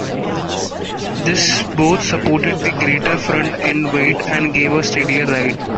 This both supported the greater front end weight and gave a steadier ride.